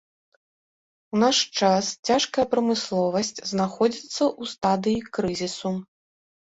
У наш час цяжкая прамысловасць знаходзіцца ў стадыі крызісу.